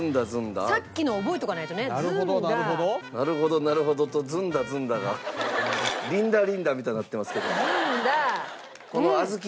「なるほどなるほど」と「ずんだずんだ」が『リンダリンダ』みたいになってますけど。